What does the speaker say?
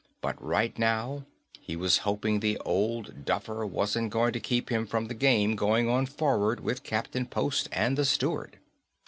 But right now he was hoping the old duffer wasn't going to keep him from the game going on forward with Captain Post and the steward.